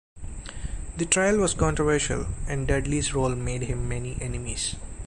The trial was controversial, and Dudley's role made him many enemies.